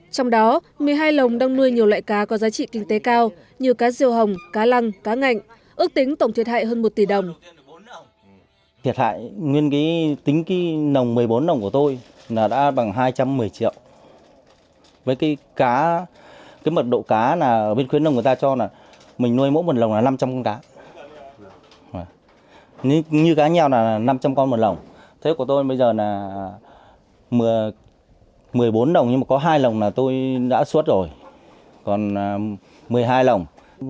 trong đó một mươi hai lồng đang nuôi nhiều loại cá có giá trị kinh tế cao như cá diều hồng cá lăng cá ngạnh ước tính tổng thiệt hại hơn một tỷ đồng